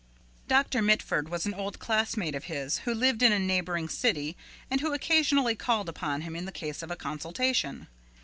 Doctor Mitford was an old classmate of his who lived in a neighboring city and who occasionally called upon him in the case of a consultation.